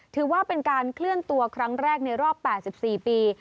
ถือว่าเป็นการเคลื่อนตัวครั้งแรกในรอบ๘๔ปี